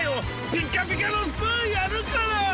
ピッカピカのスプーンやるから！